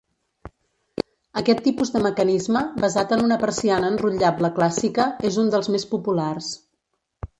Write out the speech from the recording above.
Aquest tipus de mecanisme, basat en una persiana enrotllable clàssica, és un dels més populars.